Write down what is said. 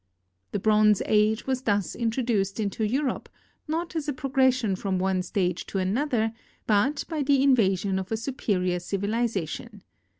The Bronze Age was thus intro duced into Europe, not as a progression from one stage to another, but by the invasion of a superior civilization.